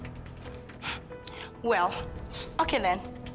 baiklah oke nen